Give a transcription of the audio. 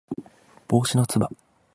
帽子のつば